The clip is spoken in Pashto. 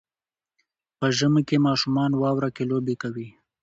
په ژمي کې ماشومان واوره کې لوبې کوي.